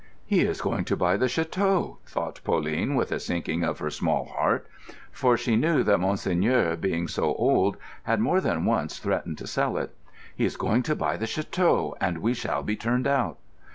"He is going to buy the château," thought Pauline with a sinking of her small heart; for she knew that monseigneur, being so old, had more than once threatened to sell it. "He is going to buy the château, and we shall be turned out."